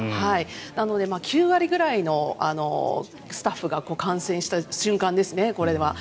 なので、９割ぐらいのスタッフが感染した瞬間ですね。